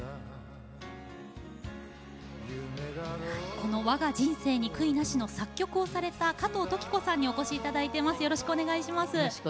この「わが人生に悔いなし」の作曲をされた加藤登紀子さんにお越しいただいてます。